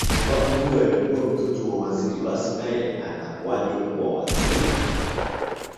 kwa sababu huyu alikuwa mtoto wa waziri basi nayee atakuaje kuwa waziri